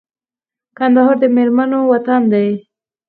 کندهار د مېړنو وطن دی